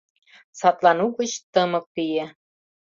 Садлан угыч тымык лие.